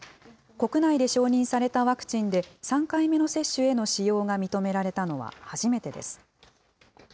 国内で承認されたワクチンで３回目の接種への使用が認められたのは初めてです。